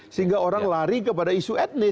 sehingga orang lari kepada isu etnis